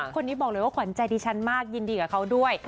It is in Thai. คนนี้บอกเลยว่าขวัญใจดิฉันมากยินดีกับเขาด้วย